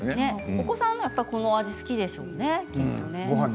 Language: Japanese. お子さんはこの味好きですね。